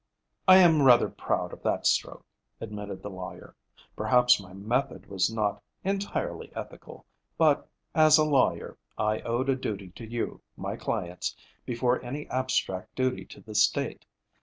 "I am rather proud of that stroke," admitted the lawyer. "Perhaps my method was not entirely ethical, but, as a lawyer, I owed a duty to you, my clients, before any abstract duty to the state.